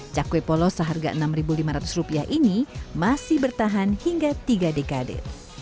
cakwe polos seharga rp enam lima ratus ini masih bertahan hingga tiga dekade